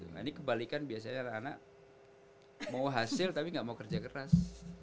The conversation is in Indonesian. nah ini kebalikan biasanya anak anak mau hasil tapi nggak mau kerja keras